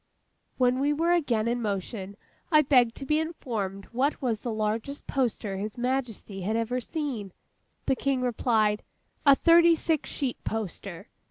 When we were again in motion, I begged to be informed what was the largest poster His Majesty had ever seen. The King replied, 'A thirty six sheet poster.